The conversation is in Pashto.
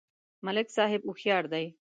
ملک صاحب هوښیار دی.